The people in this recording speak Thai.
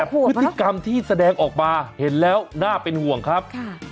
พฤติกรรมที่แสดงออกมาเห็นแล้วน่าเป็นห่วงครับ